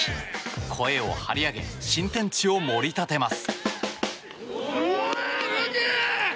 声を張り上げ新天地を盛り立てます。